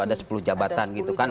ada sepuluh jabatan gitu kan